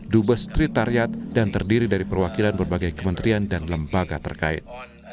dubes kritariat dan terdiri dari perwakilan berbagai kementerian dan lembaga terkait